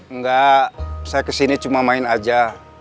enggak saya kesini cuma main aja